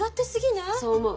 そう思う。